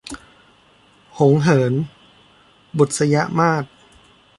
หงส์เหิน - บุษยมาส